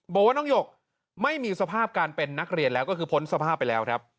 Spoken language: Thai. บอกว่าน้องหยกไม่มีสภาพการเป็นนักเรียนแล้วก็คือพ้นสภาพไปแล้วครับ